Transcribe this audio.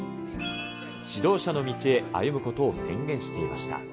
指導者の道へ歩むことを宣言していました。